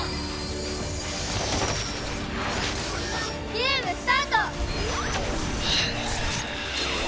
ゲームスタート！